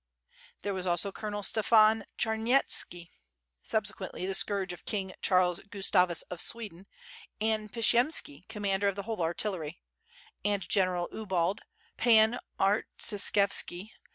There was also Colonel Stefan Charmyetski, subsequently the scourge of King Charles Gustavus of Sweden, and Pshiyemski commander of the wbole artillery; and general ITbald, Pan Artsishevski.